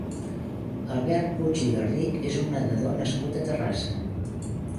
Albert Puig i Garrich és un nedador nascut a Terrassa.